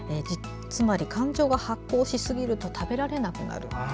つまり感情が発酵しすぎると食べられなくなる。